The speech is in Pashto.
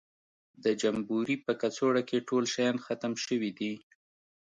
د جمبوري په کڅوړه کې ټول شیان ختم شوي دي.